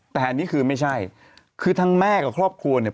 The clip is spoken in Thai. แต่อันนี้คือไม่ใช่คือทั้งแม่กับครอบครัวเนี่ย